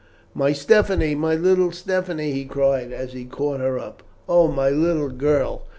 "My Stephanie! my little Stephanie!" he cried, as he caught her up. "Oh, my little girl!